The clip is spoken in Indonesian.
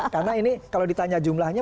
karena ini kalau ditanya jumlahnya